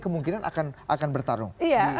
kemungkinan akan bertarung